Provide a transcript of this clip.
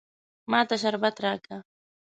ما ته شربت راکه.